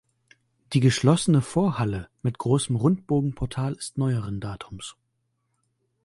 Die geschlossene Vorhalle mit großem Rundbogenportal ist neueren Datums.